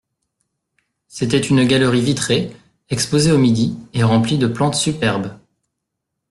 C’était une galerie vitrée, exposée au midi, et remplie de plantes superbes.